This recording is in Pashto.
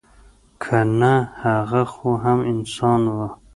که نه هغه خو هم انسان وه.